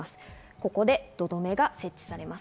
ここで土留めが設置されます。